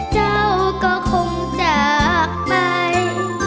เจ้าก็คงจากไป